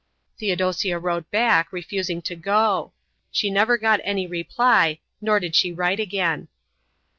Theodosia wrote back, refusing to go. She never got any reply, nor did she write again.